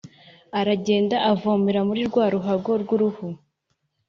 aragenda avomera muri rwa ruhago rw uruhu